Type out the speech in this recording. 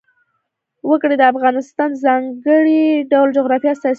وګړي د افغانستان د ځانګړي ډول جغرافیه استازیتوب کوي.